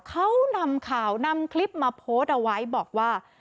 เขานำข่าวนำคลิปมาโพสต์เอาไว้บอกว่า